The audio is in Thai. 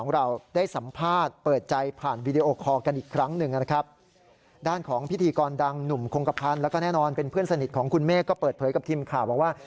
แล้วก็แน่นอนเป็นเพื่อนสนิทของคุณเมฆก็เปิดเผยกับทีมข่าวบอกว่า